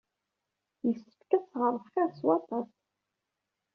Yessefk ad teɣreḍ xir s waṭas.